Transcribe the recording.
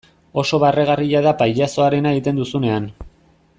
Oso barregarria da pailazoarena egiten duzunean.